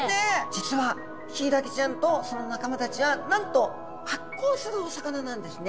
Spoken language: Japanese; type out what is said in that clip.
実はヒイラギちゃんとその仲間たちはなんと発光するお魚なんですね。